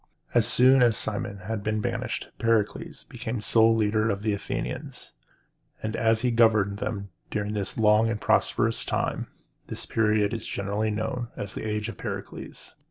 As soon as Cimon had been banished, Pericles became sole leader of the Athenians; and as he governed them during a long and prosperous time, this period is generally known as the Age of Pericles.